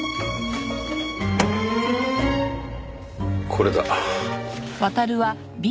これだ。